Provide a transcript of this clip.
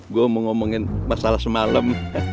gue mau ngomongin masalah semalam